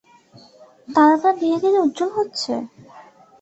তারাটা ধীরে ধীরে উজ্জ্বল হচ্ছে!